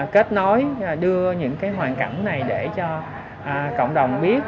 kết nối đưa những hoàn cảnh này để cho cộng đồng biết